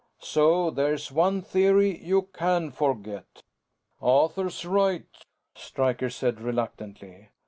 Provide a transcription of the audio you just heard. So there's one theory you can forget." "Arthur's right," Stryker said reluctantly.